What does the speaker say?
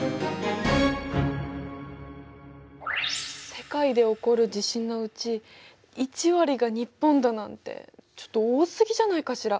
世界で起こる地震のうち１割が日本だなんてちょっと多すぎじゃないかしら。